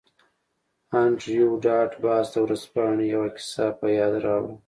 انډریو ډاټ باس د ورځپاڼې یوه کیسه په یاد راوړه